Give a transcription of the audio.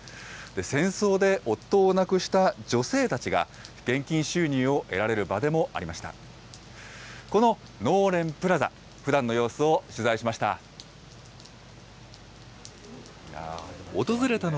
戦争で夫を亡くした女性たちが、現金収入を得られる場でもありました。